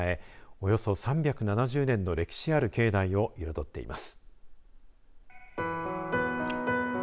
およそ３７０年の歴史ある境内を彩っています。